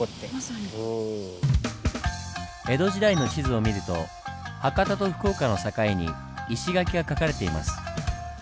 江戸時代の地図を見ると博多と福岡の境に石垣が描かれています。